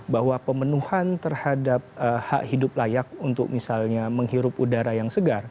bahwa pemenuhan terhadap hak hidup layak untuk misalnya menghirup udara yang segar